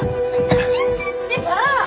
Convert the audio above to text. やめてってば。